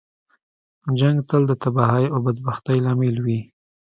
جنګ تل د تباهۍ او بدبختۍ لامل وي.